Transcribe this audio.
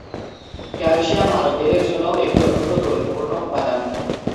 Calcium মানবদেহের জন্যও একটি অত্যন্ত গুরুত্বপূর্ণ উপাদান।